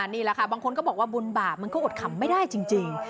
นี่แหละค่ะบางคนก็บอกว่าบุญบาปมันก็อดขำไม่ได้จริง